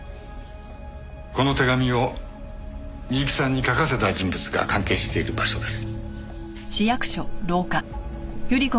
この手紙を美雪さんに書かせた人物が関係している場所です。